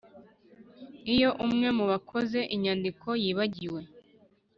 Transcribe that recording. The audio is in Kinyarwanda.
Iyo umwe mu bakoze inyandiko yibagiwe